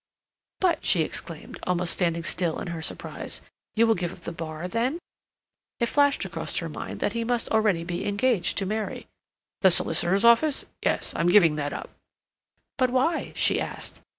"But," she exclaimed, almost standing still in her surprise, "you will give up the Bar, then?" It flashed across her mind that he must already be engaged to Mary. "The solicitor's office? Yes. I'm giving that up." "But why?" she asked.